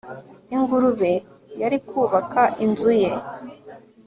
ingurube yari kubaka inzu ye